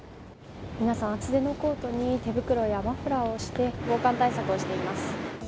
皆さん厚手のコートに手袋やマフラーをして、防寒対策をしています。